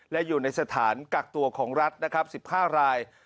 และอยู่ในสถานกักตัวของรัฐนะครับ๑๕ราย